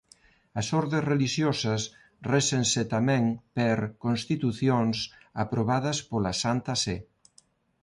As ordes relixiosas réxense tamén per constitucións aprobadas pola Santa Sé.